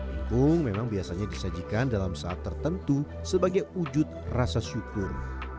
ipung memang biasanya disajikan dalam saat tertentu sebagai wujud rasa syukur